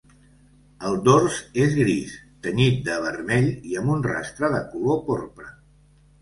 El dors és gris, tenyit de vermell i amb un rastre de color porpra.